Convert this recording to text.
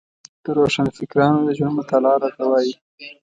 د روښانفکرانو د ژوند مطالعه راته وايي.